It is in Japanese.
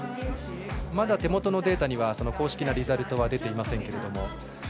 まだ手元のデータには公式なリザルトは出ていませんけれども。